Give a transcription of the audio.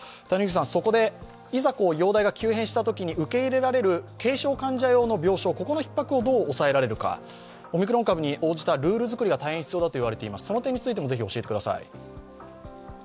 谷口さん、そこで、いざ容体が急変したときに受け入れられる軽症患者用の病床のひっ迫をどう抑えられるか、オミクロン株に応じたルール作りが大変必要だと言われていますが、その点について教えてください。